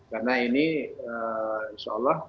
karena ini insya allah